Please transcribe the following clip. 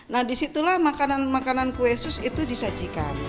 nah disitulah makanan makanan kue sus itu disajikan